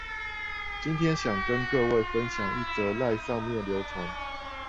今天想跟各位分享一則賴上面流傳